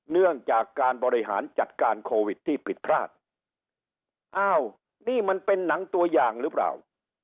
เนื่องจากการบริหารจัดการโควิดที่ผิดพลาดอ้าวนี่มันเป็นหนังตัวอย่างหรือเปล่า